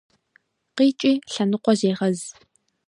- Къикӏи, лъэныкъуэ зегъэз.